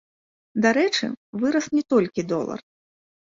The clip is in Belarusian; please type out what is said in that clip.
Дарэчы, вырас не толькі долар.